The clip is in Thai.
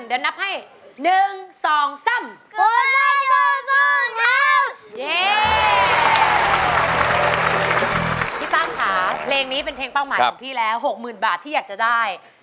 เดี๋ยวนับให้